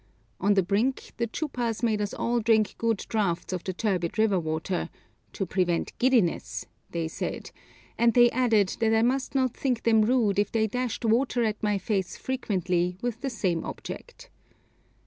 On the brink the chupas made us all drink good draughts of the turbid river water, 'to prevent giddiness,' they said, and they added that I must not think them rude if they dashed water at my face frequently with the same object.